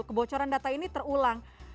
kebocoran data ini terulang